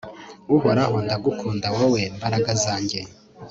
uhoraho, ndagukunda, wowe mbaraga zanjye